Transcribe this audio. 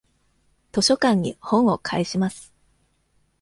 図書館に本を返します。